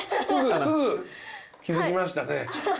すぐ気付きましたね。